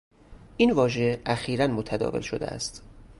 این واژه اخیرا متداول شده است.